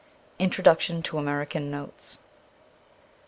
Introduction to 'American Notes.'